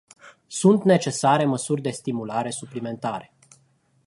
Sunt necesare măsuri de stimulare suplimentare.